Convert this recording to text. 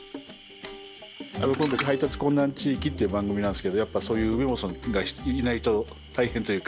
今回「配達困難地域」っていう番組なんですけどやっぱそういう梅本さんがいないと大変というか。